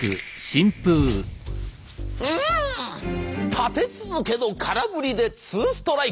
立て続けの空振りでツーストライク！